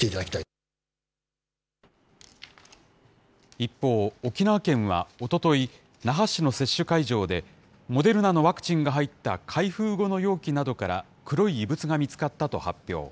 一方、沖縄県はおととい、那覇市の接種会場で、モデルナのワクチンが入った開封後の容器などから、黒い異物が見つかったと発表。